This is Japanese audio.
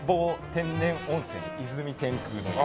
天然温泉泉天空の湯。